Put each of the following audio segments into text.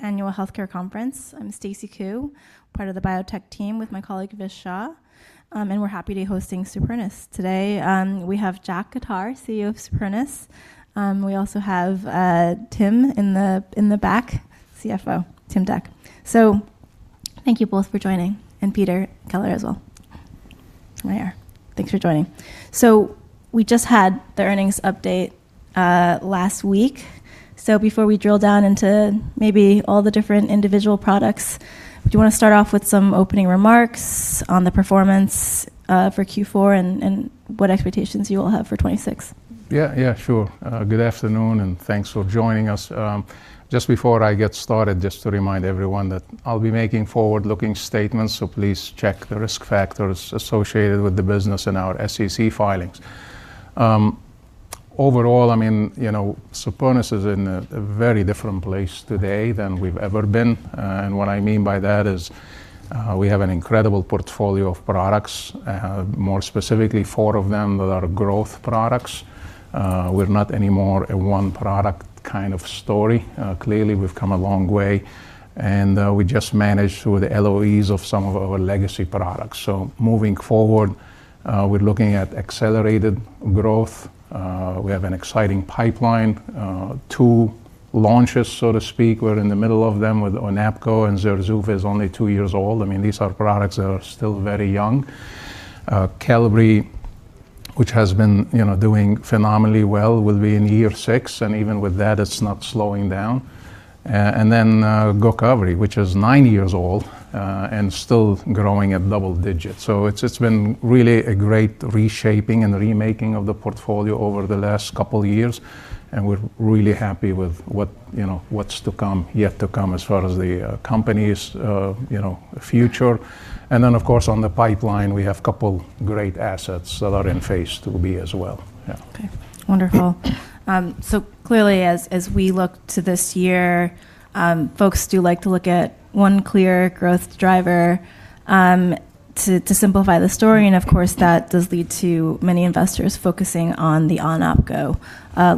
-annual healthcare conference. I'm Stacy Ku, part of the biotech team with my colleague Vish Shah, and we're happy to be hosting Supernus today. We have Jack Khattar, CEO of Supernus. We also have Tim in the back, CFO, Timothy C. Dec. Thank you both for joining, and Peter Vozzo as well. There. Thanks for joining. We just had the earnings update last week. Before we drill down into maybe all the different individual products, do you wanna start off with some opening remarks on the performance for Q4 and what expectations you all have for 2026? Yeah, yeah, sure. Good afternoon and thanks for joining us. Just before I get started, just to remind everyone that I'll be making forward-looking statements, please check the risk factors associated with the business in our SEC filings. Overall, I mean, you know, Supernus is in a very different place today than we've ever been. What I mean by that is, we have an incredible portfolio of products, more specifically four of them that are growth products. We're not any more a one product kind of story. Clearly we've come a long way, we just managed through the LOEs of some of our legacy products. Moving forward, we're looking at accelerated growth. We have an exciting pipeline, two launches, so to speak. We're in the middle of them with ONAPGO, and ZURZUVAE is only two years old. I mean, these are products that are still very young. Qelbree, which has been, you know, doing phenomenally well, will be in year six, and even with that, it's not slowing down. GOCOVRI, which is nine years old, and still growing at double digits. It's, it's been really a great reshaping and remaking of the portfolio over the last couple years, and we're really happy with what, you know, what's to come, yet to come as far as the company's, you know, future. Of course, on the pipeline, we have couple great assets that are in phase II-B as well. Yeah. Okay. Wonderful. Clearly as we look to this year, folks do like to look at one clear growth driver, to simplify the story, and of course, that does lead to many investors focusing on the ONAPGO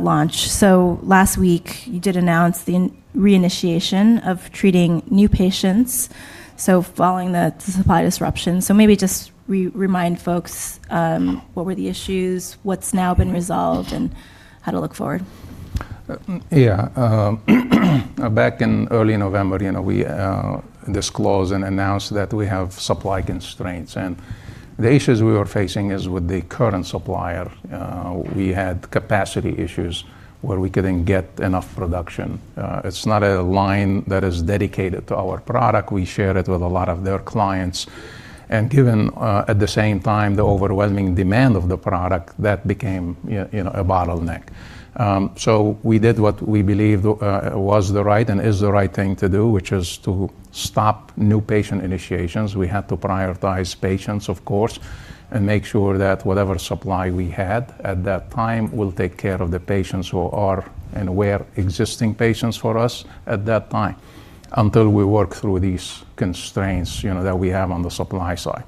launch. Last week, you did announce the reinitiation of treating new patients, so following the supply disruption. Maybe just remind folks, what were the issues, what's now been resolved, and how to look forward? Yeah. Back in early November, you know, we disclosed and announced that we have supply constraints, and the issues we were facing is with the current supplier. We had capacity issues where we couldn't get enough production. It's not a line that is dedicated to our product. We share it with a lot of their clients. Given, at the same time, the overwhelming demand of the product, that became, you know, a bottleneck. We did what we believed was the right and is the right thing to do, which is to stop new patient initiations. We had to prioritize patients, of course, and make sure that whatever supply we had at that time will take care of the patients who are and were existing patients for us at that time, until we work through these constraints, you know, that we have on the supply side.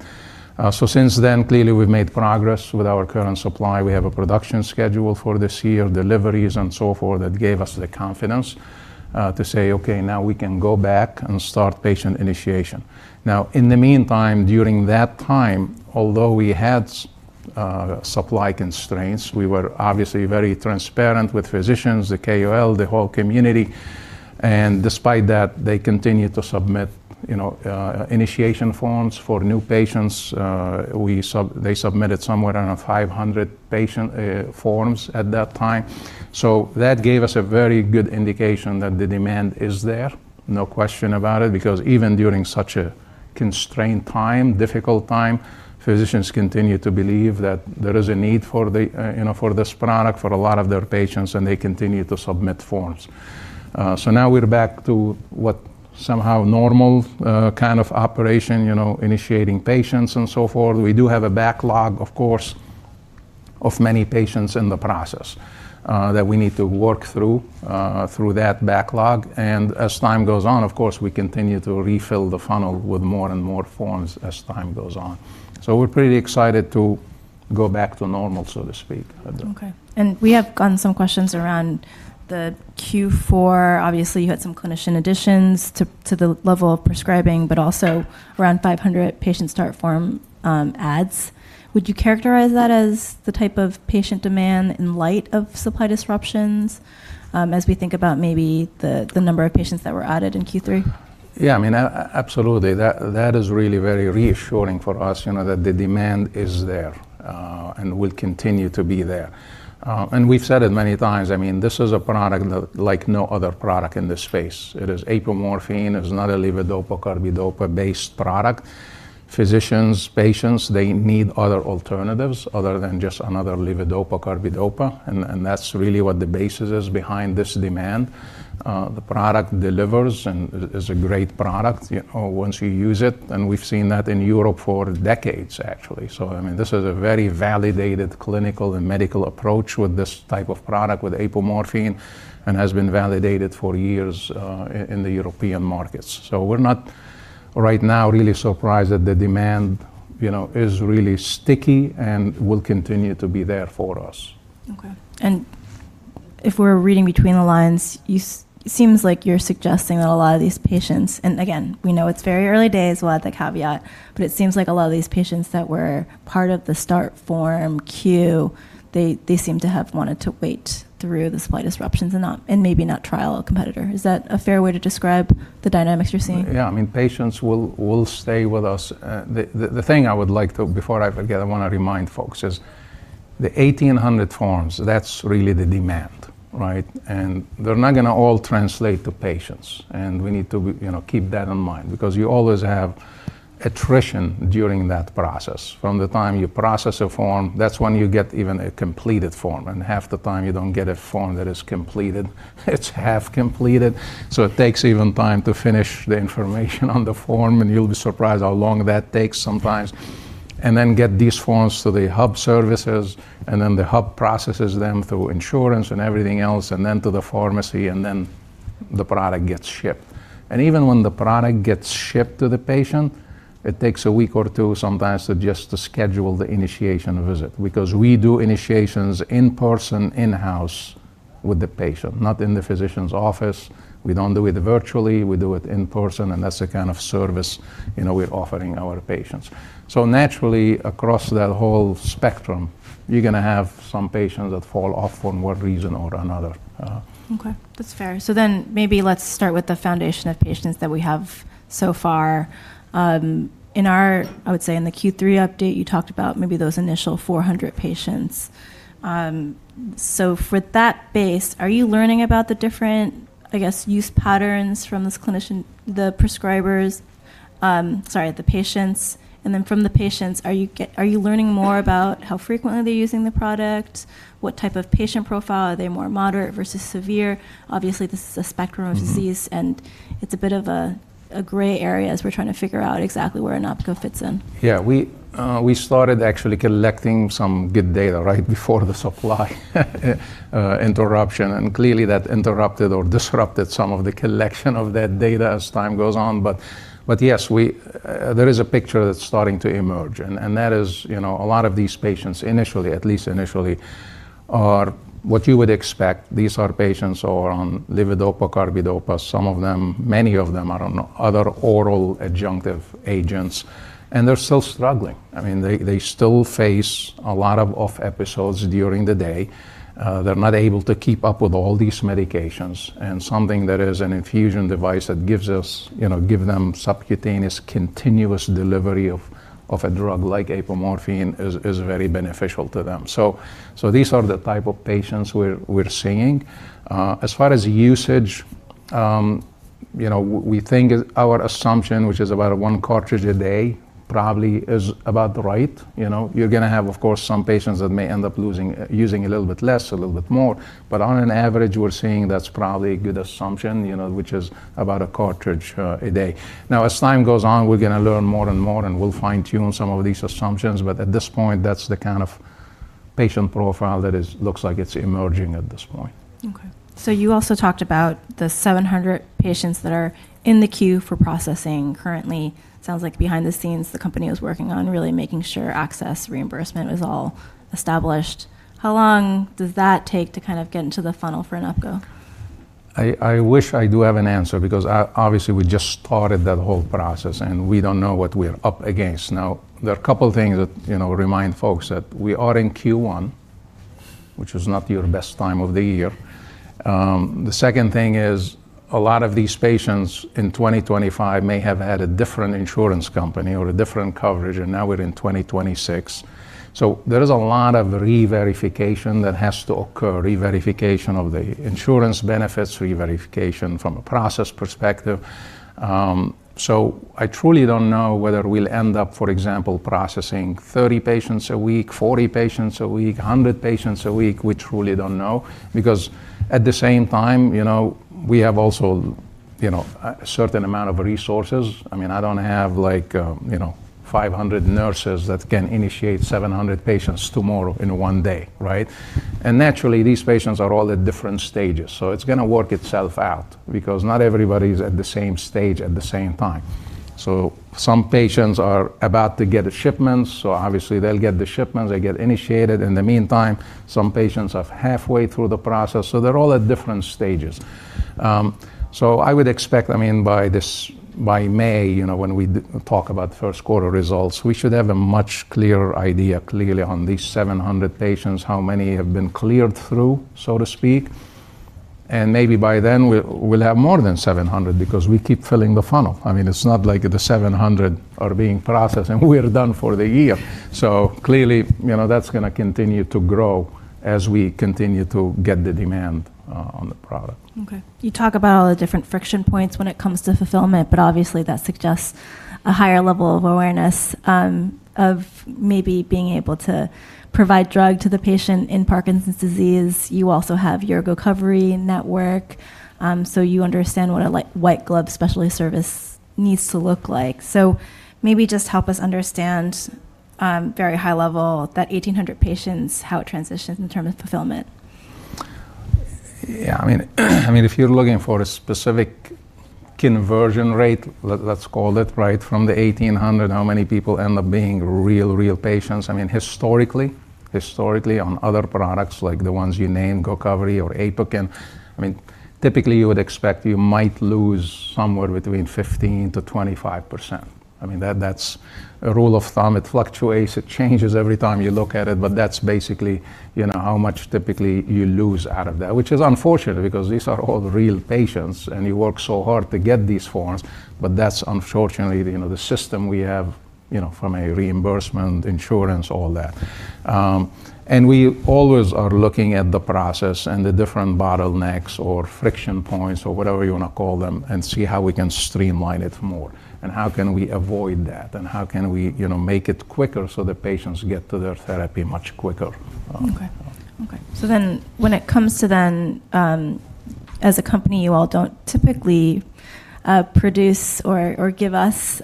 Since then, clearly we've made progress with our current supply. We have a production schedule for this year, deliveries and so forth, that gave us the confidence to say, "Okay, now we can go back and start patient initiation." In the meantime, during that time, although we had supply constraints, we were obviously very transparent with physicians, the KOL, the whole community, and despite that, they continued to submit, you know, initiation forms for new patients. They submitted somewhere around 500 patient forms at that time. That gave us a very good indication that the demand is there, no question about it, because even during such a constrained time, difficult time, physicians continue to believe that there is a need for the, you know, for this product for a lot of their patients, and they continue to submit forms. Now we're back to what somehow normal, kind of operation, you know, initiating patients and so forth. We do have a backlog, of course, of many patients in the process, that we need to work through that backlog. As time goes on, of course, we continue to refill the funnel with more and more forms as time goes on. We're pretty excited to go back to normal, so to speak. Okay. We have gotten some questions around the Q4. Obviously, you had some clinician additions to the level of prescribing, but also around 500 patient start form adds. Would you characterize that as the type of patient demand in light of supply disruptions, as we think about maybe the number of patients that were added in Q3? I mean, absolutely. That is really very reassuring for us, you know, that the demand is there, and will continue to be there. We've said it many times. I mean, this is a product that like no other product in this space. It is apomorphine. It's not a levodopa carbidopa-based product. Physicians, patients, they need other alternatives other than just another levodopa carbidopa, and that's really what the basis is behind this demand. The product delivers and is a great product, you know, once you use it, and we've seen that in Europe for decades actually. I mean, this is a very validated clinical and medical approach with this type of product, with apomorphine, and has been validated for years in the European markets. We're not right now really surprised that the demand, you know, is really sticky and will continue to be there for us. Okay. If we're reading between the lines, you seems like you're suggesting that a lot of these patients, and again, we know it's very early days, we'll add the caveat, but it seems like a lot of these patients that were part of the start form queue, they seem to have wanted to wait through the supply disruptions and not, and maybe not trial a competitor. Is that a fair way to describe the dynamics you're seeing? Yeah. I mean, patients will stay with us. The thing I would like to remind folks is the 1,800 forms, that's really the demand, right? They're not gonna all translate to patients, and we need to you know, keep that in mind because you always have attrition during that process. From the time you process a form, that's when you get even a completed form, half the time you don't get a form that is completed, it's half completed. It takes even time to finish the information on the form, you'll be surprised how long that takes sometimes. Get these forms to the hub services, the hub processes them through insurance and everything else, to the pharmacy, the product gets shipped. Even when the product gets shipped to the patient, it takes a week or two sometimes to schedule the initiation visit because we do initiations in person, in-house with the patient, not in the physician's office. We don't do it virtually, we do it in person, and that's the kind of service, you know, we're offering our patients. Naturally, across that whole spectrum, you're gonna have some patients that fall off for one reason or another. That's fair. Maybe let's start with the foundation of patients that we have so far. I would say in the Q3 update, you talked about maybe those initial 400 patients. For that base, are you learning about the different, I guess, use patterns from this clinician, the prescribers? Sorry, the patients. From the patients, are you learning more about how frequently they're using the product? What type of patient profile? Are they more moderate versus severe? Obviously, this is a spectrum of disease. Mm-hmm. it's a bit of a gray area as we're trying to figure out exactly where ONAPGO fits in. Yeah. We started actually collecting some good data right before the supply interruption. Clearly that interrupted or disrupted some of the collection of that data as time goes on. Yes, there is a picture that's starting to emerge and that is, you know, a lot of these patients initially, at least initially, are what you would expect. These are patients who are on levodopa carbidopa. Some of them, many of them are on other oral adjunctive agents. They're still struggling. I mean, they still face a lot of off episodes during the day. They're not able to keep up with all these medications. Something that is an infusion device that give them subcutaneous continuous delivery of a drug like apomorphine is very beneficial to them. These are the type of patients we're seeing. As far as usage, you know, we think is our assumption, which is about one cartridge a day probably is about the right. You know, you're gonna have, of course, some patients that may end up using a little bit less, a little bit more. On an average, we're seeing that's probably a good assumption, you know, which is about a cartridge a day. As time goes on, we're gonna learn more and more, and we'll fine-tune some of these assumptions. At this point, that's the kind of patient profile that is looks like it's emerging at this point. Okay. you also talked about the 700 patients that are in the queue for processing currently. Sounds like behind the scenes, the company is working on really making sure access reimbursement is all established. How long does that take to kind of get into the funnel for ONAPGO? I wish I do have an answer because obviously we just started that whole process, and we don't know what we're up against. There are a couple of things that, you know, remind folks that we are in Q1, which is not your best time of the year. The second thing is a lot of these patients in 2025 may have had a different insurance company or a different coverage, and now we're in 2026. There is a lot of re-verification that has to occur, re-verification of the insurance benefits, re-verification from a process perspective. I truly don't know whether we'll end up, for example, processing 30 patients a week, 40 patients a week, 100 patients a week. We truly don't know. At the same time, you know, we have also, you know, a certain amount of resources. I mean, I don't have like, you know, 500 nurses that can initiate 700 patients tomorrow in one day, right? Naturally, these patients are all at different stages. It's gonna work itself out because not everybody is at the same stage at the same time. Some patients are about to get a shipment, so obviously they'll get the shipment, they get initiated. In the meantime, some patients are halfway through the process. They're all at different stages. I would expect, I mean, by May, you know, when we talk about first quarter results, we should have a much clearer idea, clearly, on these 700 patients, how many have been cleared through, so to speak. Maybe by then, we'll have more than 700 because we keep filling the funnel. I mean, it's not like the 700 are being processed and we are done for the year. Clearly, you know, that's going to continue to grow as we continue to get the demand on the product. You talk about all the different friction points when it comes to fulfillment, but obviously that suggests a higher level of awareness of maybe being able to provide drug to the patient in Parkinson's disease. You also have your GOCOVRI network, so you understand what a like white glove specialty service needs to look like. Maybe just help us understand very high level that 1,800 patients, how it transitions in terms of fulfillment. I mean, I mean, if you're looking for a specific conversion rate, let's call it, right, from the 1,800, how many people end up being real patients? I mean, historically, on other products like the ones you named, GOCOVRI or APOKYN, I mean, typically, you would expect you might lose somewhere between 15%-25%. I mean, that's a rule of thumb. It fluctuates. It changes every time you look at it, but that's basically, you know, how much typically you lose out of that. Which is unfortunate because these are all real patients, and you work so hard to get these forms, but that's unfortunately, you know, the system we have, you know, from a reimbursement, insurance, all that. We always are looking at the process and the different bottlenecks or friction points or whatever you wanna call them and see how we can streamline it more and how can we avoid that and how can we, you know, make it quicker so the patients get to their therapy much quicker. Okay. Okay. When it comes to then, as a company, you all don't typically produce or give us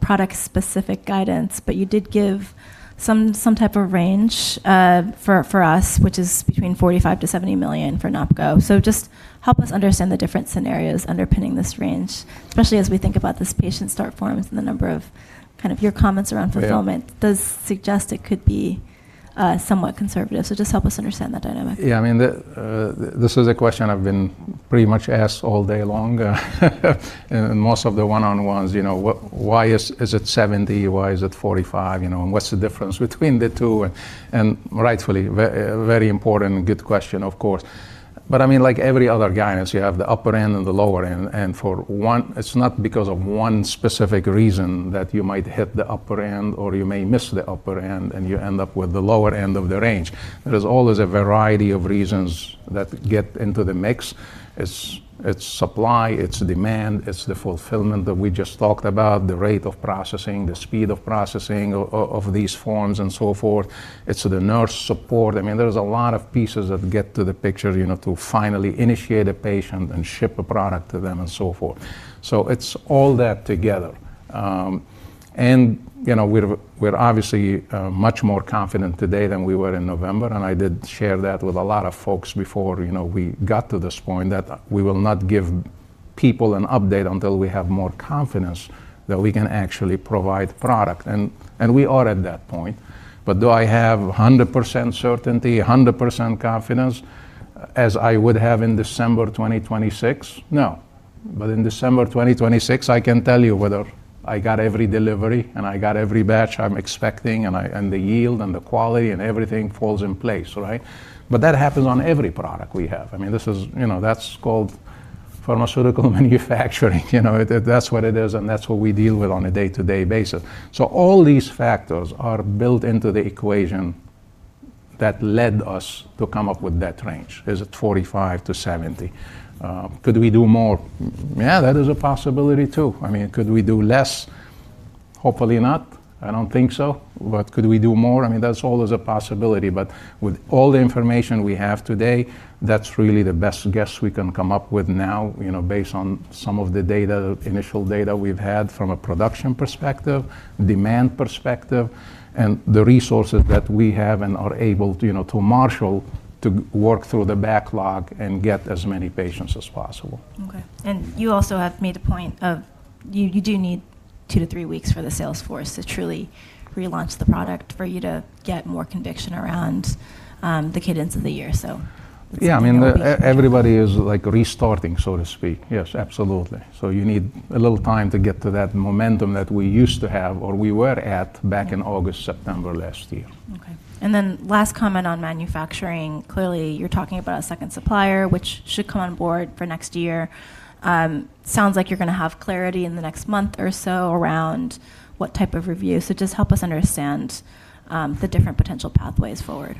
product-specific guidance, but you did give some type of range for us, which is between $45 million-$70 million for ONAPGO. Just help us understand the different scenarios underpinning this range, especially as we think about this patient start forms and the number of kind of your comments around fulfillment- Yeah. does suggest it could be somewhat conservative. Just help us understand the dynamic? Yeah, I mean, this is a question I've been pretty much asked all day long. In most of the one-on-ones, you know. Why is it 70? Why is it 45, you know? What's the difference between the two? Rightfully, very important, good question, of course. I mean, like every other guidance, you have the upper end and the lower end. For one. It's not because of one specific reason that you might hit the upper end or you may miss the upper end, and you end up with the lower end of the range. There's always a variety of reasons that get into the mix. It's supply, it's demand, it's the fulfillment that we just talked about, the rate of processing, the speed of processing of these forms, and so forth. It's the nurse support. I mean, there's a lot of pieces that get to the picture, you know, to finally initiate a patient and ship a product to them and so forth. It's all that together. You know, we're obviously much more confident today than we were in November, and I did share that with a lot of folks before, you know, we got to this point, that we will not give people an update until we have more confidence that we can actually provide product. We are at that point. Do I have 100% certainty, 100% confidence as I would have in December 2026? No. In December 2026, I can tell you whether I got every delivery, and I got every batch I'm expecting, and the yield and the quality and everything falls in place, right? That happens on every product we have. I mean, you know, that's called pharmaceutical manufacturing. You know, that's what it is, and that's what we deal with on a day-to-day basis. All these factors are built into the equation that led us to come up with that range. Is it 45-70? Could we do more? Yeah, that is a possibility too. I mean, could we do less? Hopefully not. I don't think so. Could we do more? I mean, that's always a possibility, but with all the information we have today, that's really the best guess we can come up with now, you know, based on some of the data, initial data we've had from a production perspective, demand perspective, and the resources that we have and are able, you know, to marshal to work through the backlog and get as many patients as possible. Okay. You also have made a point of you do need two to three weeks for the sales force to truly relaunch the product for you to get more conviction around the cadence of the year. Yeah, I mean, everybody is like restarting, so to speak. Yes, absolutely. You need a little time to get to that momentum that we used to have or we were at back in August, September last year. Last comment on manufacturing. Clearly, you're talking about a second supplier, which should come on board for next year. Sounds like you're going to have clarity in the next month or so around what type of review. Just help us understand the different potential pathways forward.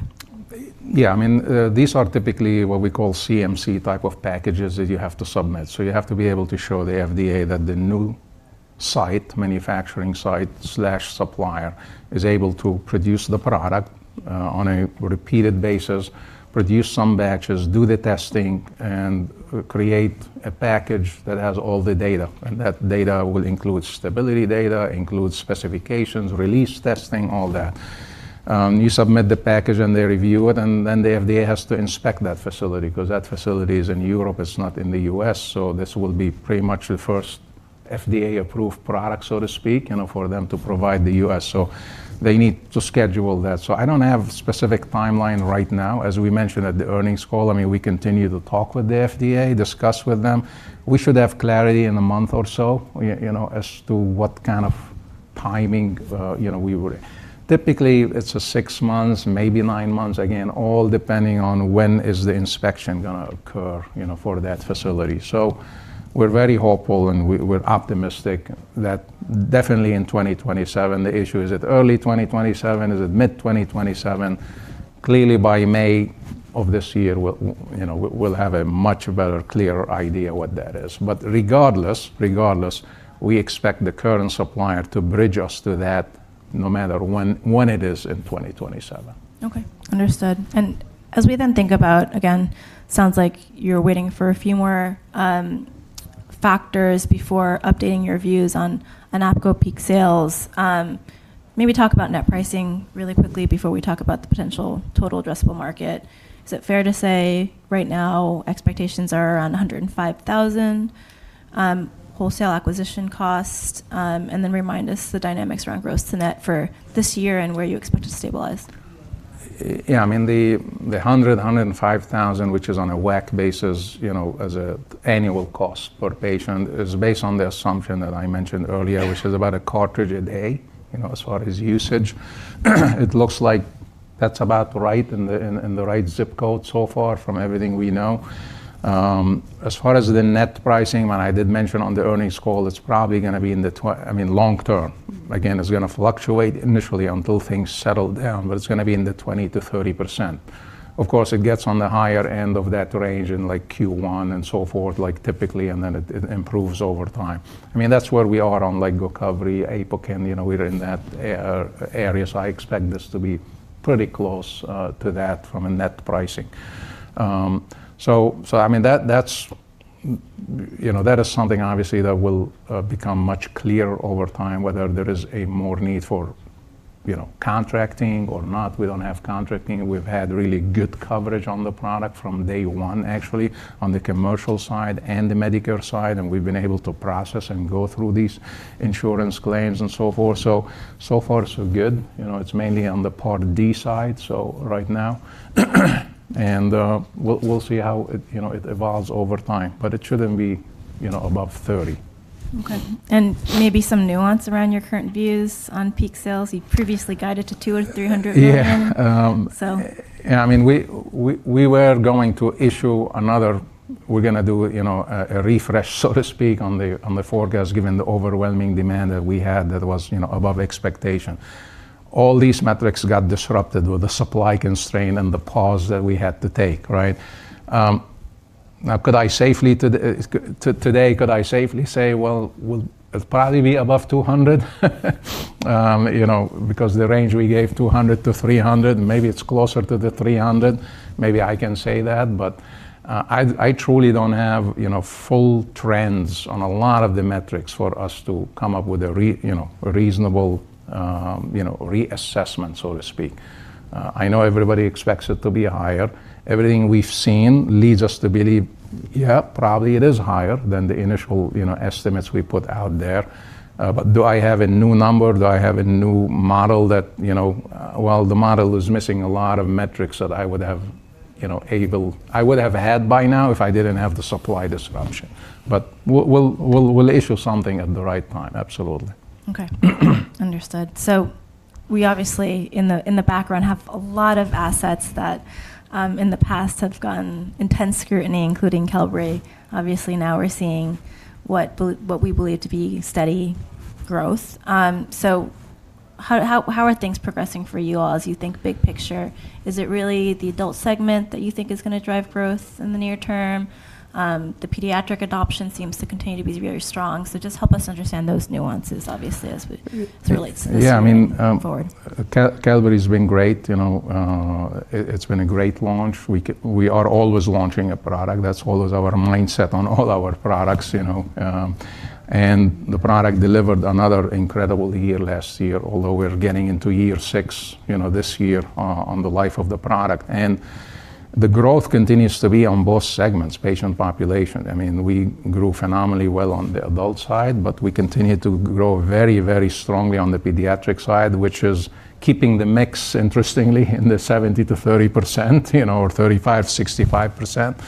Yeah, I mean, these are typically what we call CMC type of packages that you have to submit. You have to be able to show the FDA that the new site, manufacturing site/supplier is able to produce the product on a repeated basis, produce some batches, do the testing, and create a package that has all the data. That data will include stability data, include specifications, release testing, all that. You submit the package, they review it, the FDA has to inspect that facility because that facility is in Europe. It's not in the U.S. This will be pretty much the first FDA-approved product, so to speak, you know, for them to provide the U.S. They need to schedule that. I don't have specific timeline right now. As we mentioned at the earnings call, I mean, we continue to talk with the FDA, discuss with them. We should have clarity in a month or so, you know, as to what kind of timing. Typically, it's six months, maybe nine months, again, all depending on when is the inspection gonna occur, you know, for that facility. We're very hopeful, and we're optimistic that definitely in 2027. The issue, is it early 2027? Is it mid-2027? Clearly, by May of this year, we'll, you know, we'll have a much better, clearer idea what that is. Regardless, we expect the current supplier to bridge us to that no matter when it is in 2027. Okay. Understood. As we then think about, again, sounds like you're waiting for a few more Factors before updating your views on APCO peak sales. Maybe talk about net pricing really quickly before we talk about the potential total addressable market. Is it fair to say right now expectations are around $105,000 wholesale acquisition costs, and then remind us the dynamics around gross to net for this year and where you expect to stabilize? I mean, the $100,000-$105,000, which is on a WAC basis, you know, as a annual cost per patient, is based on the assumption that I mentioned earlier, which is about 1 cartridge a day, you know, as far as usage. It looks like that's about right in the right zip code so far from everything we know. As far as the net pricing, I did mention on the earnings call, it's probably gonna be in the twenty, I mean, long term. Again, it's gonna fluctuate initially until things settle down, but it's gonna be in the 20%-30%. Of course, it gets on the higher end of that range in like Q1 and so forth, like typically, and then it improves over time. I mean, that's where we are on leg recovery, APOKYN, you know, we're in that area, so I expect this to be pretty close to that from a net pricing. I mean, that's, you know, that is something obviously that will become much clearer over time, whether there is a more need for, you know, contracting or not. We don't have contracting. We've had really good coverage on the product from day one, actually, on the commercial side and the Medicare side, we've been able to process and go through these insurance claims and so forth. So far, so good. You know, it's mainly on the Part D side, so right now. We'll see how it, you know, it evolves over time, but it shouldn't be, you know, above 30. Okay. Maybe some nuance around your current views on peak sales? You previously guided to $200 million or $300 million. Yeah. So... I mean, we were going to issue another. We're gonna do, you know, a refresh, so to speak, on the forecast given the overwhelming demand that we had that was, you know, above expectation. All these metrics got disrupted with the supply constraint and the pause that we had to take, right? Could I safely today, could I safely say, well, it'll probably be above $200? You know, because the range we gave $200 to $300, maybe it's closer to the $300. Maybe I can say that, but I truly don't have, you know, full trends on a lot of the metrics for us to come up with a, you know, reasonable, you know, reassessment, so to speak. I know everybody expects it to be higher. Everything we've seen leads us to believe, yeah, probably it is higher than the initial, you know, estimates we put out there. But do I have a new number? Do I have a new model that Well, the model is missing a lot of metrics that I would have, you know, I would have had by now if I didn't have the supply disruption. But we'll issue something at the right time. Absolutely. Okay. Understood. We obviously in the, in the background have a lot of assets that in the past have gotten intense scrutiny, including Qelbree. Obviously, now we're seeing what we believe to be steady growth. How are things progressing for you all as you think big picture? Is it really the adult segment that you think is gonna drive growth in the near term? The pediatric adoption seems to continue to be very strong. Just help us understand those nuances, obviously, as it relates to this going forward. I mean, Qelbree's been great. You know, it's been a great launch. We are always launching a product. That's always our mindset on all our products, you know. The product delivered another incredible year last year, although we're getting into year six, you know, this year on the life of the product. The growth continues to be on both segments, patient population. I mean, we grew phenomenally well on the adult side, but we continue to grow very strongly on the pediatric side, which is keeping the mix, interestingly, in the 70% to 30%, you know, or 35%, 65%.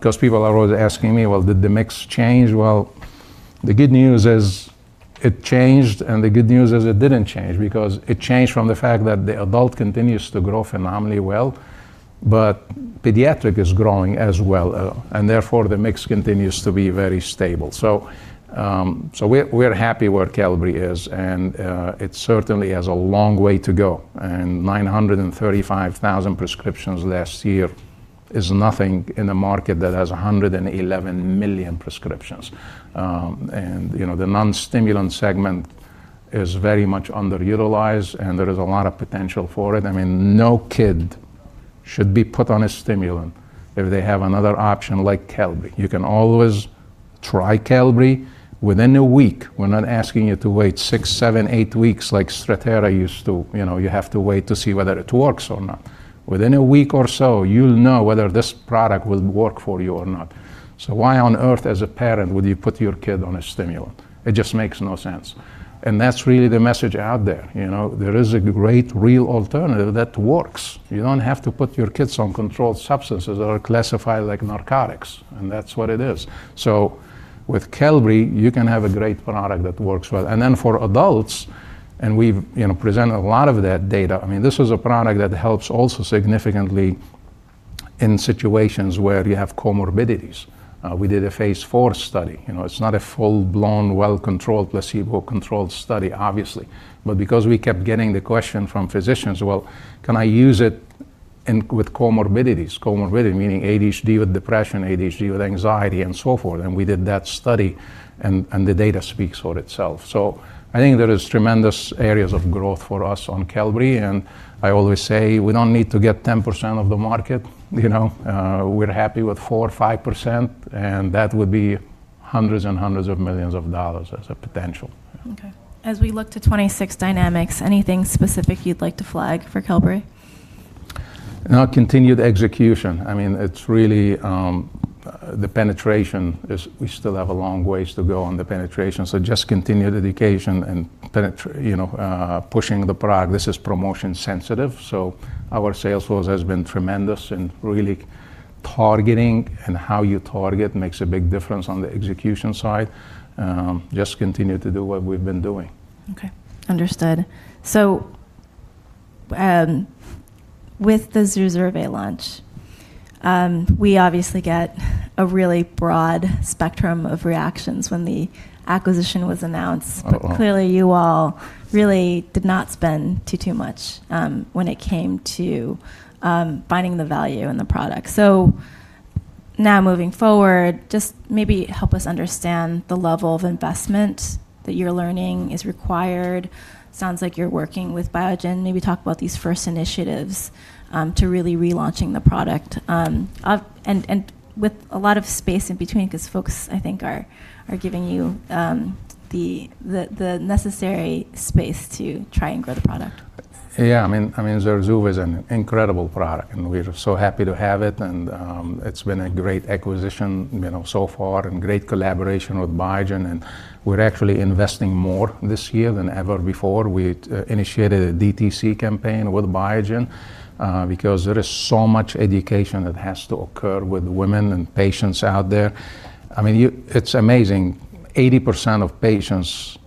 'Cause people are always asking me, "Well, did the mix change?" Well, the good news is it changed, and the good news is it didn't change because it changed from the fact that the adult continues to grow phenomenally well, but pediatric is growing as well, and therefore the mix continues to be very stable. We're happy where Qelbree is, and it certainly has a long way to go. 935,000 prescriptions last year is nothing in a market that has 111 million prescriptions. You know, the non-stimulant segment is very much underutilized, and there is a lot of potential for it. I mean, no kid should be put on a stimulant if they have another option like Qelbree. You can always try Qelbree within a week. We're not asking you to wait six, seven, eight weeks like Strattera used to. You know, you have to wait to see whether it works or not. Within a week or so, you'll know whether this product will work for you or not. Why on earth, as a parent, would you put your kid on a stimulant? It just makes no sense. That's really the message out there. You know, there is a great real alternative that works. You don't have to put your kids on controlled substances that are classified like narcotics, and that's what it is. With Qelbree, you can have a great product that works well. Then for adults, and we've, you know, presented a lot of that data, I mean, this is a product that helps also significantly in situations where you have comorbidities. We did a phase IV study. You know, it's not a full-blown, well-controlled, placebo-controlled study, obviously. Because we kept getting the question from physicians, "Well, can I use it with comorbidities?" Comorbidity meaning ADHD with depression, ADHD with anxiety, and so forth. We did that study and the data speaks for itself. I think there is tremendous areas of growth for us on Qelbree, and I always say we don't need to get 10% of the market. You know, we're happy with 4%, 5%, and that would be hundreds and hundreds of millions of dollars as a potential. As we look to 2026 dynamics, anything specific you'd like to flag for Qelbree? Our continued execution. I mean, it's really, We still have a long ways to go on the penetration. Just continued education and you know, pushing the product. This is promotion sensitive. Our sales force has been tremendous in really targeting and how you target makes a big difference on the execution side. Just continue to do what we've been doing. Okay. Understood. With the ZURZUVAE launch, we obviously get a really broad spectrum of reactions when the acquisition was announced. Uh-uh. Clearly you all really did not spend too much when it came to finding the value in the product. Now moving forward, just maybe help us understand the level of investment that you're learning is required. Sounds like you're working with Biogen. Maybe talk about these first initiatives to really relaunching the product. And with a lot of space in between because folks, I think are giving you the necessary space to try and grow the product. I mean, ZURZUVAE is an incredible product, we're so happy to have it. It's been a great acquisition, you know, so far and great collaboration with Biogen, we're actually investing more this year than ever before. We'd initiated a DTC campaign with Biogen because there is so much education that has to occur with women and patients out there. I mean, it's amazing. 80% of patients,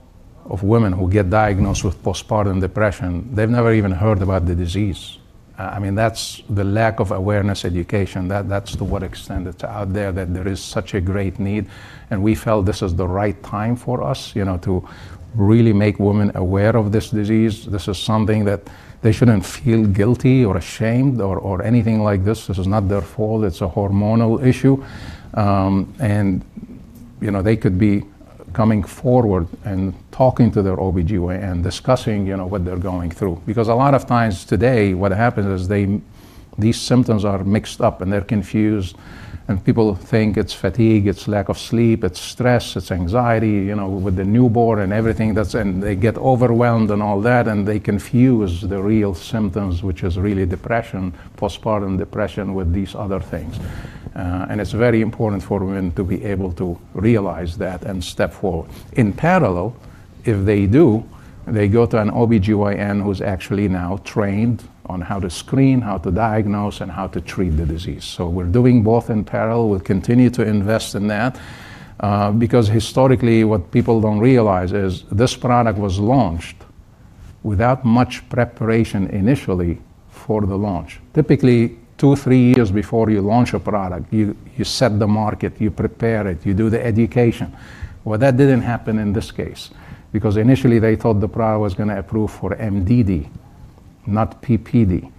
of women who get diagnosed with postpartum depression, they've never even heard about the disease. I mean, that's the lack of awareness education. That's to what extent it's out there that there is such a great need, we felt this is the right time for us, you know, to really make women aware of this disease. This is something that they shouldn't feel guilty or ashamed or anything like this. This is not their fault. It's a hormonal issue. You know, they could be coming forward and talking to their OBGYN, discussing, you know, what they're going through. Because a lot of times today, what happens is these symptoms are mixed up, and they're confused, and people think it's fatigue, it's lack of sleep, it's stress, it's anxiety, you know, with the newborn and everything that's. They get overwhelmed and all that, and they confuse the real symptoms, which is really depression, postpartum depression with these other things. It's very important for women to be able to realize that and step forward. In parallel, if they do, they go to an OBGYN who's actually now trained on how to screen, how to diagnose, and how to treat the disease. We're doing both in parallel. We'll continue to invest in that because historically, what people don't realize is this product was launched without much preparation initially for the launch. Typically, two, three years before you launch a product, you set the market, you prepare it, you do the education. Well, that didn't happen in this case because initially they thought the product was gonna approve for MDD, not PPD.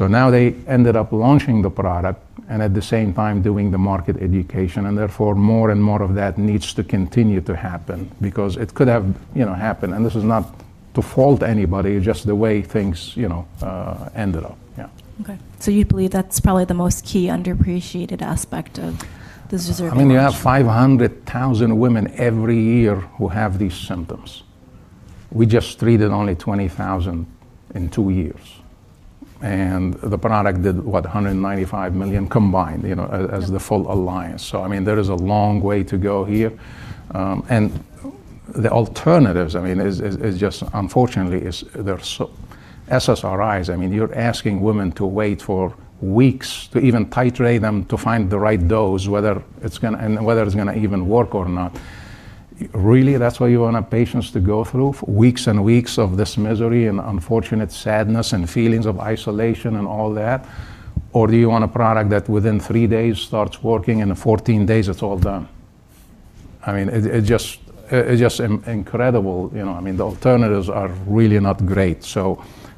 Now they ended up launching the product and at the same time doing the market education, and therefore, more and more of that needs to continue to happen because it could have, you know, happened. This is not to fault anybody, just the way things, you know, ended up. Yeah. You believe that's probably the most key underappreciated aspect of the ZURZUVAE launch. I mean, you have 500,000 women every year who have these symptoms. We just treated only 20,000 in two years, and the product did, what? $195 million combined, you know, as the full alliance. I mean, there is a long way to go here. And the alternatives, I mean, SSRIs, I mean, you're asking women to wait for weeks to even titrate them to find the right dose, and whether it's gonna even work or not. Really, that's what you want our patients to go through for weeks and weeks of this misery and unfortunate sadness and feelings of isolation and all that? Do you want a product that within three days starts working, and in 14 days it's all done? I mean, it just, it's just incredible, you know. I mean, the alternatives are really not great.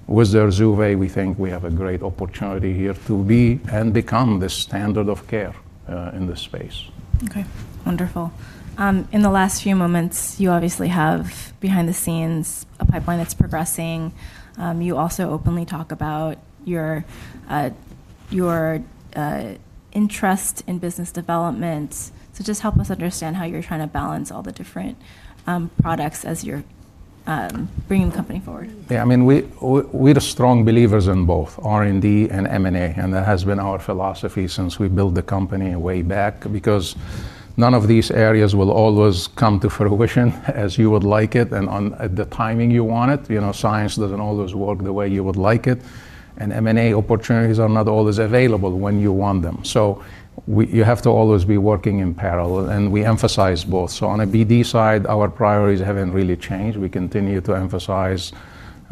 With ZURZUVAE, we think we have a great opportunity here to be and become the standard of care in this space. Okay. Wonderful. In the last few moments, you obviously have behind the scenes a pipeline that's progressing. You also openly talk about your interest in business development. Just help us understand how you're trying to balance all the different products as you're bringing the company forward. Yeah. I mean, we're strong believers in both R&D and M&A, and that has been our philosophy since we built the company way back because none of these areas will always come to fruition as you would like it at the timing you want it. You know, science doesn't always work the way you would like it, and M&A opportunities are not always available when you want them. You have to always be working in parallel, and we emphasize both. On a BD side, our priorities haven't really changed. We continue to emphasize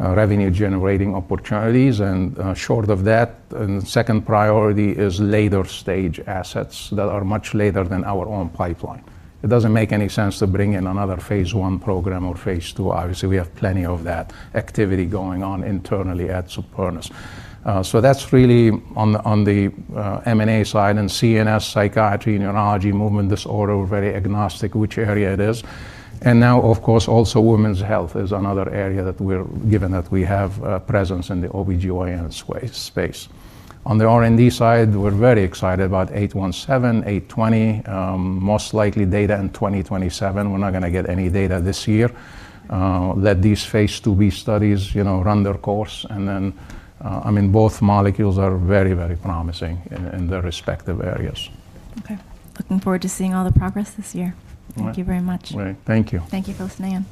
revenue-generating opportunities, and short of that, and second priority is later-stage assets that are much later than our own pipeline. It doesn't make any sense to bring in another phase I program or phase II. Obviously, we have plenty of that activity going on internally at Supernus. That's really on the M&A side and CNS, psychiatry, neurology, movement disorder. We're very agnostic which area it is. Now, of course, also women's health is another area that we're given that we have a presence in the OBGYN space. On the R&D side, we're very excited about SPN-817, SPN-820. Most likely data in 2027. We're not gonna get any data this year. Let these phase II-B studies, you know, run their course and then, I mean, both molecules are very, very promising in their respective areas. Okay. Looking forward to seeing all the progress this year. All right. Thank you very much. All right. Thank you. Thank you both, Nan.